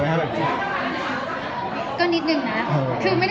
โอเคฮ่แล้วก็จะดูตัวเลขกับเพื่อน